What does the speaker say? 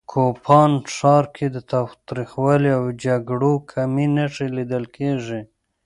کوپان ښار کې د تاوتریخوالي او جګړو کمې نښې لیدل کېږي